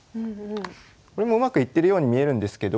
これもうまくいってるように見えるんですけど。